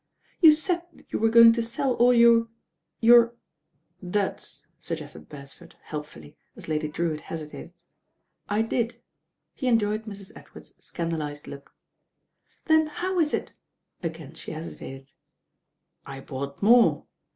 "You said that you were going to sell all your— your " "Duds," suggested Beresford helpfully, as Lady Drewitt hesitated. "I did." He enjoyed Mrs. Edward's scandalised look. "Then how is it ?" again she hesitated. "I bought more.